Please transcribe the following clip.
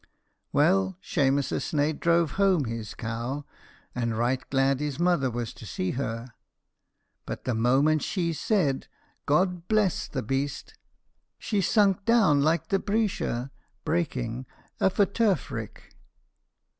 Well, Shemus a sneidh drove home his cow, and right glad his mother was to see her; but the moment she said "God bless the beast," she sunk down like the breesha of a turf rick.